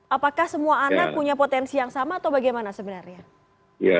apakah semua anak punya potensi yang sama atau bagaimana sebenarnya